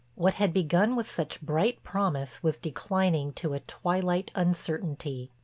What had begun with such bright promise was declining to a twilight uncertainty.